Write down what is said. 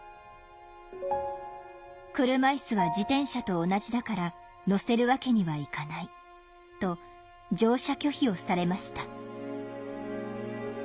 「車イスは自転車と同じだから乗せるわけにはいかないと乗車拒否をされました」。